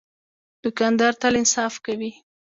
دوکاندار تل انصاف کوي.